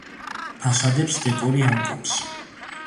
ფასადებს დეკორი ამკობს.